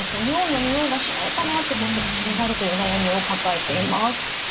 尿のにおいがしないかなってこうちょっと気になるというお悩みを抱えています。